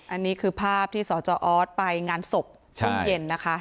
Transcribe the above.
อันนี้คือภาพที่สจออสไปงานศพช่วงเย็นนะคะ